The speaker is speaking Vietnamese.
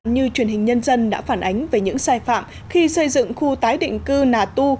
như truyền hình nhân dân đã phản ánh về những sai phạm khi xây dựng khu tái định cư nà tu